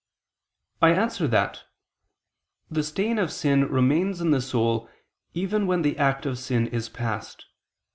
I answer that, The stain of sin remains in the soul even when the act of sin is past.